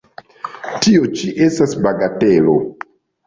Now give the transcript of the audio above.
Tio ĉi estas bagatelo!